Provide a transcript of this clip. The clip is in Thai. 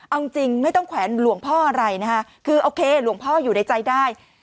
เอาจริงไม่ต้องแขวนหลวงพ่ออะไรนะคะคือโอเคหลวงพ่ออยู่ในใจได้